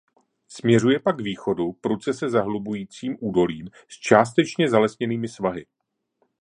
Směřuje pak k východu prudce se zahlubujícím údolím s částečně zalesněnými svahy.